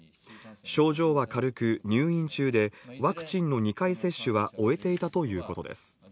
症状は軽く入院中で、ワクチンの２回接種は終えていたということです。